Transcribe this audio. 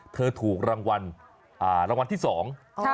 ถูกรางวัลอ่ารางวัลที่สอง